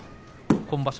今場所